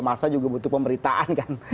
masa juga butuh pemberitaan kan